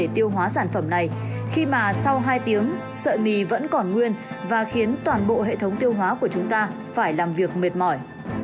tiêu hóa sản phẩm này khi mà sau hai tiếng sợi mì vẫn còn nguyên và khiến toàn bộ hệ thống tiêu hóa của chúng ta phải làm việc mệt mỏi